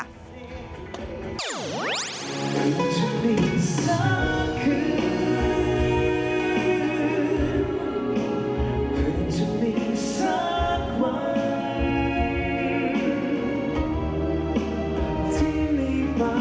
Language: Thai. ที่รีมปาติหารช่วยทำให้ฟังจริงขึ้นมา